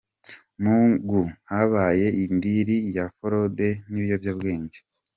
Mugu habaye indiri ya forode n’ibiyobyabwenge